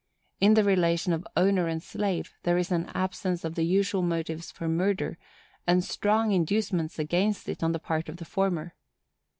In the relation of owner and slave there is an absence of the usual motives for murder, and strong inducements against it on the part of the former.